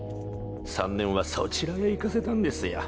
３年はそちらへ行かせたんですよ。